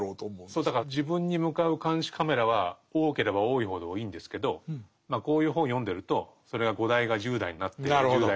そうだから自分に向かう「監視カメラ」は多ければ多いほどいいんですけどこういう本を読んでるとそれが５台が１０台になってなるほど。